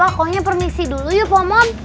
ya udah kalau gitu aku permisi dulu yuk om om